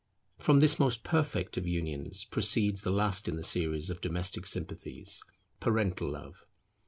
From this most perfect of unions proceeds the last in the series of domestic sympathies, parental love.